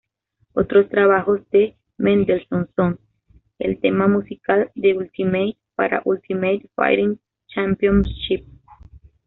Otros trabajos de Mendelson son: el tema musical "The Ultimate" para Ultimate Fighting Championship.